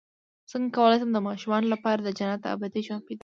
څنګه کولی شم د ماشومانو لپاره د جنت د ابدي ژوند بیان کړم